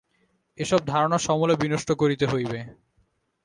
এ-সব ধারণা সমূলে বিনষ্ট করিতে হইবে।